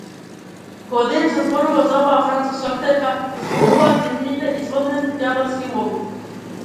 Кога денес се зборува за оваа француска актерка, се спомнуваат нејзините извонредни театарски улоги.